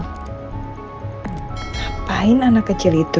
ngapain anak kecil itu